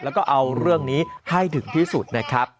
แล้วก็เอาเรื่องนี้ให้ถึงที่สุดนะครับ